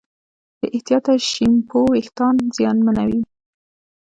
بې احتیاطه شیمپو وېښتيان زیانمنوي.